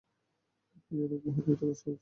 তুই অনেক মহৎ একটা করেছিস, জশুয়া!